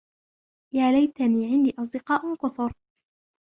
يا ليتني عندي أصدقاء كثر.